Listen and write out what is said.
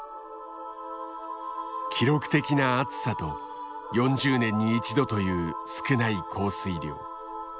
記録的な暑さと４０年に一度という少ない降水量。